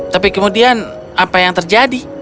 tapi kemudian apa yang terjadi